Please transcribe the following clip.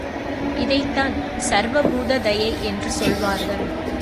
இதைத்தான் சர்வுபூத தயை என்று சொல்வார்கள்.